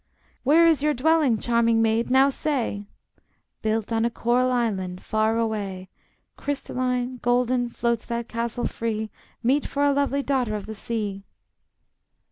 "Where is your dwelling, charming maid, now say!" "Built on a coral island far away, Crystalline, golden, floats that castle free, Meet for a lovely daughter of the sea!"